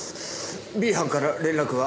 Ｂ班から連絡は？